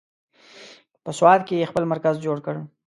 په سوات کې یې خپل مرکز جوړ کړ.